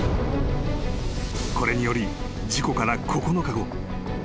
［これにより事故から９日後］